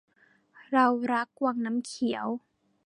เรารักวังน้ำเขียว